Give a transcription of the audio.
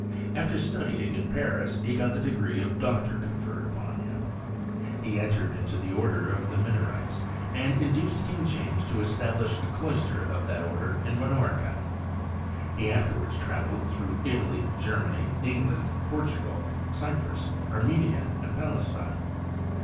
After studying in Paris he got the degree of doctor conferred upon him. He entered into the order of Minorites, and induced King James to establish a cloister of thai order in Minorca. He afterwards travelled through Italy, Germany, England, Portugal, Cyprus, Armenia and Palestine.